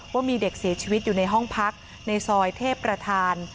ว่ามีเด็กเสียชีวิตอยู่ในห้องพักในซอยเทพประธาน